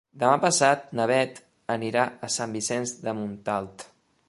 Demà passat na Beth anirà a Sant Vicenç de Montalt.